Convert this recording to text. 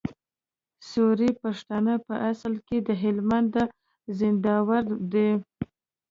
سوري پښتانه په اصل کي د هلمند د زينداور دي